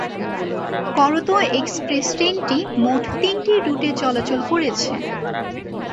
Karatoya express ট্রেনটি মোট তিনটি রুটে চলাচল করেছে।